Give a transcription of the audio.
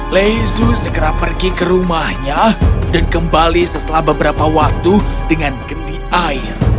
lezu segera pergi ke rumahnya dan kembali setelah beberapa waktu dengan gendi air